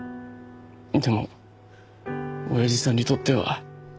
でもおやじさんにとっては。